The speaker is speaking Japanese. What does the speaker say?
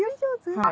はい。